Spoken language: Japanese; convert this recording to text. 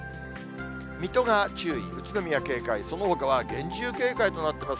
水戸が注意、宇都宮、警戒、そのほかは厳重警戒となってます。